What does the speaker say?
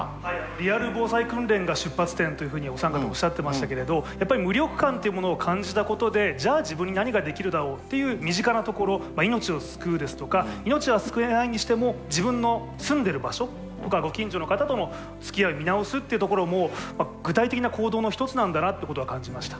リアル防災訓練が出発点というふうにお三方おっしゃってましたけれどやっぱり無力感というものを感じたことでじゃあ自分に何ができるだろうっていう身近なところ命を救うですとか命は救えないにしても自分の住んでる場所とかご近所の方とのつきあいを見直すっていうところも具体的な行動の一つなんだなってことは感じました。